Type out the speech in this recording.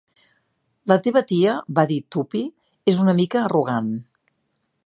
La teva tia", va dir Tuppy, "és una mica arrogant.